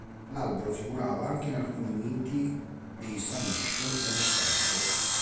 L'albero figurava anche in alcuni miti dei Salish dello stretto..